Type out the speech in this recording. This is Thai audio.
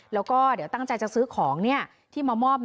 แล้วก็ตั้งใจจะซื้อของที่มามอบ